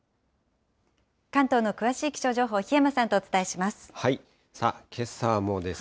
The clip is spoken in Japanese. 関東の詳しい気象情報、檜山さんとお伝えします。